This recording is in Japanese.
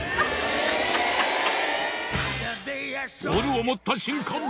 ボールを持った瞬間